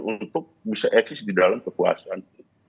untuk bisa eksis di dalam kekuasaan